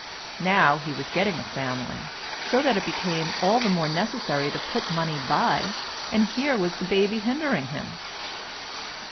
Now he was getting a family, so that it became all the more necessary to put money by, and here was the baby hindering him.